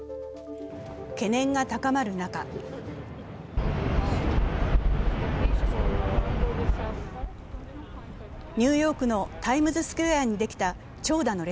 懸念が高まる中ニューヨークのタイムズスクエアにできた長蛇の列。